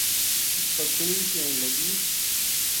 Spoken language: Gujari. پکھنی کہن لگی